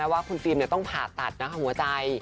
ว่าคุณฟิล์มต้องผ่าตัดหัวใจ